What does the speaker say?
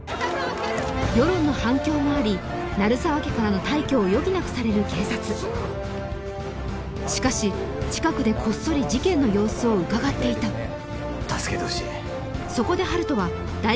世論の反響もあり鳴沢家からの退去を余儀なくされる警察しかし近くでこっそり事件の様子を伺っていた助けてほしい